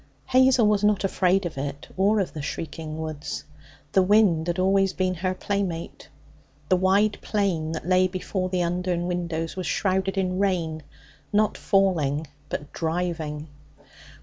Hazel was not afraid of it, or of the shrieking woods. The wind had always been her playmate. The wide plain that lay before the Undern windows was shrouded in rain not falling, but driving.